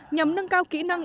nhằm nâng cao kỹ năng